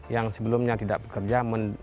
yang sebelumnya tidak bekerja